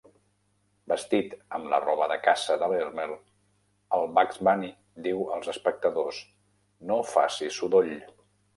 Vestit amb la roba de caça de l'Elmer, el Bugs Bunny diu als espectadors: "No facis sodoll".